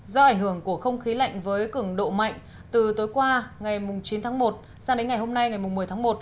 do ảnh hưởng của không khí lạnh với cường độ mạnh từ tối qua ngày chín tháng một sang đến ngày hôm nay ngày một mươi tháng một